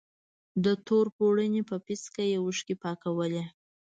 د تور پوړني په پيڅکه يې اوښکې پاکولې.